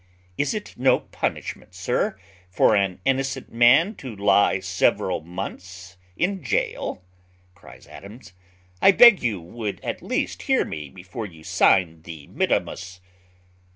"Is it no punishment, sir, for an innocent man to lie several months in gaol?" cries Adams: "I beg you would at least hear me before you sign the mittimus."